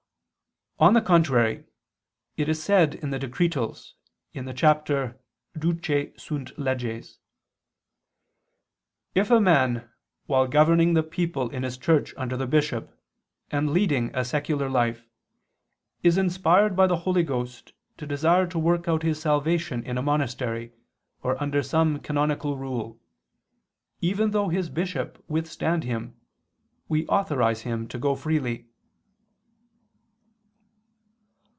On the contrary, It is said in the Decretals (XIX, qu. ii, cap. Duce sunt leges.): "If a man, while governing the people in his church under the bishop and leading a secular life, is inspired by the Holy Ghost to desire to work out his salvation in a monastery or under some canonical rule, even though his bishop withstand him, we authorize him to go freely."